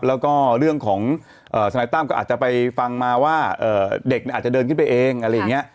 แล้วก็เรื่องของทนายตั้มก็อาจจะไปฟังมาว่าเด็กอาจจะเดินขึ้นไปเองอะไรอย่างนี้